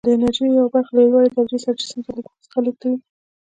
د انرژي یوه برخه له لوړې درجې جسم څخه لیږدوي.